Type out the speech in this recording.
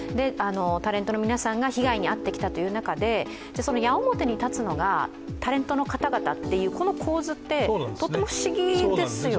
タレントの皆さんが被害に遭ってきたという中で、矢面に立つのがタレントの方々という、この構図ってとても不思議ですよね？